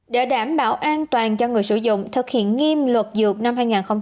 để đảm bảo an toàn cho người sử dụng thực hiện nghiêm luật dược năm hai nghìn một mươi bốn